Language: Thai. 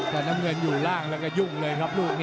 แต่น้ำเงินอยู่ล่างแล้วก็ยุ่งเลยครับลูกนี้